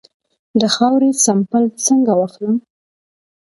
د خاورې سمپل څنګه واخلم؟